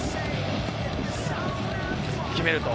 決めると。